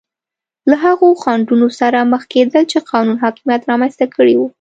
له هغو خنډونو سره مخ کېدل چې قانون حاکمیت رامنځته کړي وو.